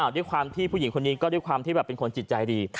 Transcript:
ด้วยความที่ผู้หญิงคนนี้ก็ด้วยความที่แบบเป็นคนจิตใจดี